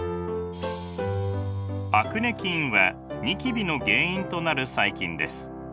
アクネ菌はニキビの原因となる細菌です。